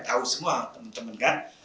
tahu semua teman teman kan